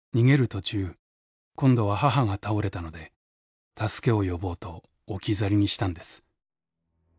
途中今度は母が倒れたので助けを呼ぼうと置き去りにしたんです。